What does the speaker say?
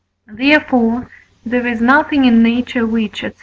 Therefore there is nothing in nature which, &c.